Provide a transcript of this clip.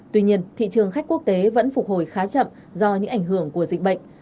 tuy nhiên thị trường khách quốc tế vẫn phục hồi khá chậm do những ảnh hưởng của dịch bệnh